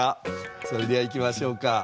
それではいきましょうか。